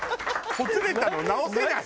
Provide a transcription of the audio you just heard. ほつれたの直せない。